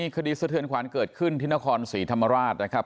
คดีเสื้อเทือนขวานเกิดขึ้นทินขรภ์สีธรรมราชนะครับ